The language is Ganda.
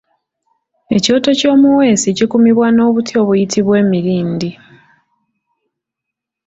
Ekyoto ky’omuweesi kikumibwa n’obuti obuyitibwa Emirindi.